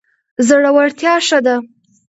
زړورتیا ښه ده.